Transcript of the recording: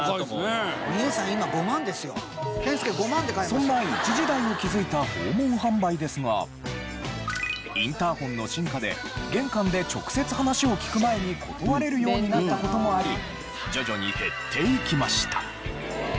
そんな一時代を築いた訪問販売ですがインターホンの進化で玄関で直接話を聞く前に断れるようになった事もあり徐々に減っていきました。